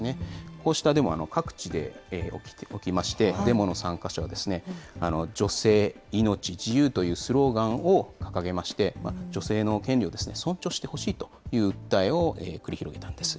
こうしたデモは各地で起きまして、デモの参加者は、女性・命・自由というスローガンを掲げまして、女性の権利を尊重してほしいという訴えを繰り広げたんです。